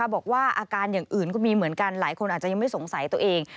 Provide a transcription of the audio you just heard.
บอกว่าอาการอย่างอื่นก็มีเหมือนกันหลายคนอาจจะยังไม่สงสัยตัวเอง